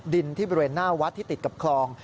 ดินที่บริเวณหน้าวัดที่ติดกับคลอง